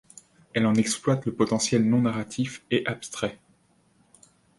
Elle en exploite le potentiel non-narratif et abstrait.